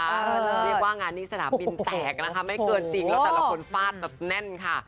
เรียกว่างานนี้สนามบินแตกนะคะไม่เกินจริงแล้วแต่ละคนฟาดแบบแน่นค่ะ